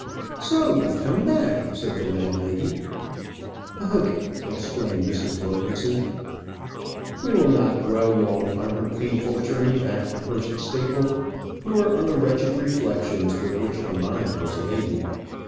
"So, you've come back?" said the landlady. "Ugh!" exclaimed Mrs. Wilkinson. We will not dwell long on her painful journey back to Hurst Staple; nor on the wretched reflections with which her mind was laden.